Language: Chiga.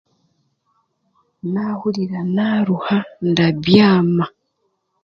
Naahurira naaruha, ndabyama.